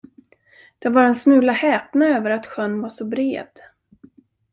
De var en smula häpna över att sjön var så bred.